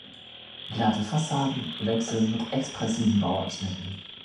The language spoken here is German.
Glatte Fassaden wechseln mit expressiven Bauabschnitten.